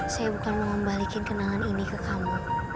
saya bukan mau membalikin kenangan ini ke kamu